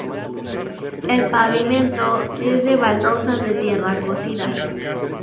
El pavimento es de baldosas de tierra cocida.